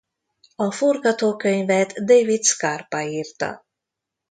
A forgatókönyvet David Scarpa írta.